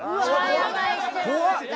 怖っ！